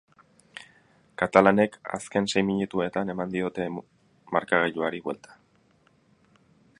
Katalanek azken sei minutuetan eman diote markagailuari buelta.